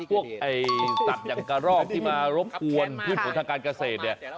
พวกสัตว์อย่างกระรอกที่มารบกวนพืชผลทางการเกษตรเนี่ย